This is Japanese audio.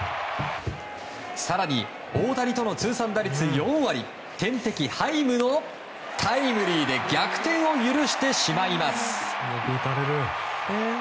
更に、大谷との通算打率４割天敵、ハイムのタイムリーで逆転を許してしまいます。